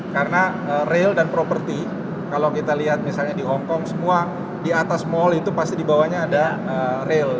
karena rail dan property kalau kita lihat misalnya di hong kong semua di atas mall itu pasti di bawahnya ada rail